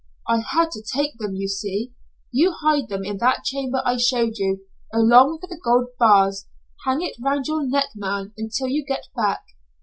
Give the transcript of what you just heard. "I had to take them, you see. You hide them in that chamber I showed you, along with the gold bars. Hang it around your neck, man, until you get back.